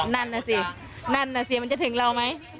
นั่นน่ะสินั่นน่ะสิมันจะถึงเราไหม